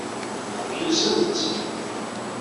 Kelsemt-ten.